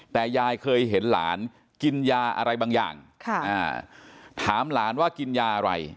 แต่ยายเคยเห็นหลานกินยาอะไรบางอย่างถามหลานว่ากินยาอะไร